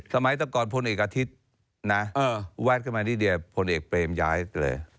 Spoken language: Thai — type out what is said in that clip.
สมัยแต่ก่อนพลเอกอาทิตย์นะแวดขึ้นมานิดเดียวพลเอกเปรมย้ายเลย